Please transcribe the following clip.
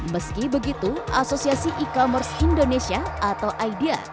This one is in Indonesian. meski begitu asosiasi e commerce indonesia atau aidia